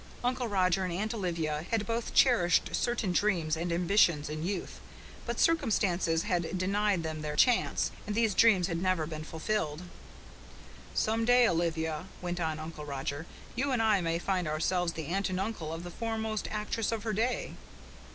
Uncle Roger and Aunt Olivia had both cherished certain dreams and ambitions in youth, but circumstances had denied them their "chance" and those dreams had never been fulfilled. "Some day, Olivia," went on Uncle Roger, "you and I may find ourselves the aunt and uncle of the foremost actress of her day.